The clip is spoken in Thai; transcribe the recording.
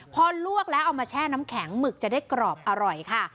พอลวกแล้วเอามาแช่น้ำแข็งหมึกจะได้กรอบอร่อยค่ะ